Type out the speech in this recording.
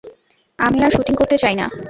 আমি আর শ্যুটিং করতে চাই না।